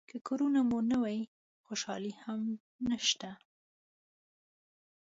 که کورنۍ مو نه وي خوشالي هم نشته.